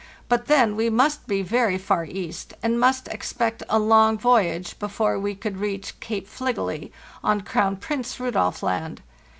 But then we must be very far east, and must expect a long voyage before we could reach Cape Fligely, on Crown Prince Rudolf Land.